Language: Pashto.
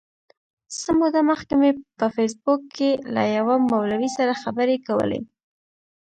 څه موده مخکي مي په فېسبوک کي له یوه مولوي سره خبري کولې.